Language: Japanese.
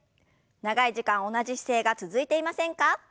長い時間同じ姿勢が続いていませんか？